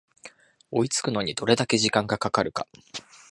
追いつくのにどれだけ時間がかかるか